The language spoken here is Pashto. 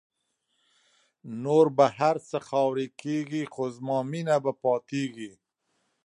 نور به هر څه خاوری کېږی خو زما مینه به پاتېږی